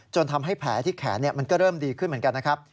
ทำให้แผลที่แขนมันก็เริ่มดีขึ้นเหมือนกันนะครับ